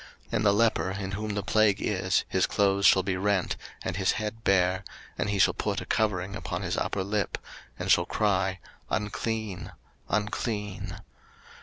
03:013:045 And the leper in whom the plague is, his clothes shall be rent, and his head bare, and he shall put a covering upon his upper lip, and shall cry, Unclean, unclean.